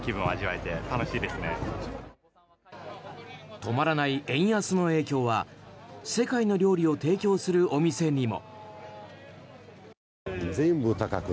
止まらない円安の影響は世界の料理を提供するお店にも。